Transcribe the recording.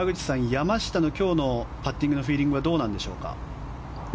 山下のパッティングのフィーリングはどうでしょうか。